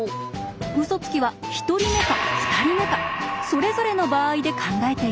ウソつきは１人目か２人目かそれぞれの場合で考えていきます。